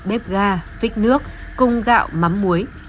da vích nước cung gạo mắm muối